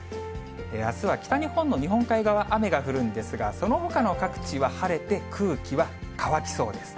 あすは北日本の日本海側、雨が降るんですが、そのほかの各地は晴れて、空気は乾きそうです。